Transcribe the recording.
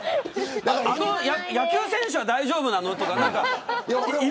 あの野球選手は大丈夫なのとか。